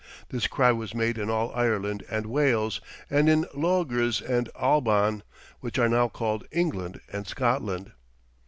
This cry was made in all Ireland and Wales, and in Logres and Alban, which are now called England and Scotland.